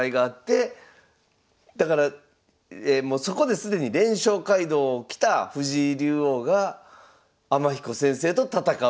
だからそこで既に連勝街道をきた藤井竜王が天彦先生と戦うと。